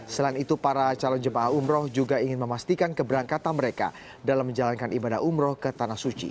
selain itu para calon jemaah umroh juga ingin memastikan keberangkatan mereka dalam menjalankan ibadah umroh ke tanah suci